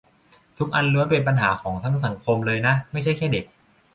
ทุกอันล้วนเป็นปัญหาของทั้งสังคมเลยนะ ไม่ใช่แค่เด็ก